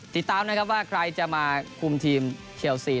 ติดตามนะครับว่าใครจะมาคุมทีมเชลซี